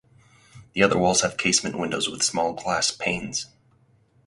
The other walls have casement windows with small glass panes.